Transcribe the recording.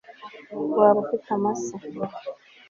waba ufite amase